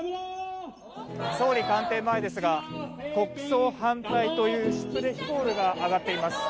総理官邸前ですが国葬反対というシュプレヒコールが上がっています。